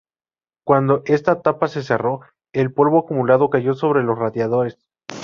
Cuando esta tapa se cerró, el polvo acumulado cayó sobre los radiadores.